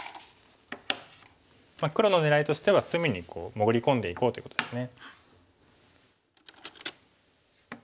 黒の狙いとしては隅に潜り込んでいこうということです。